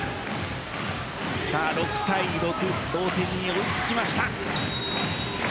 ６対６、同点に追いつきました。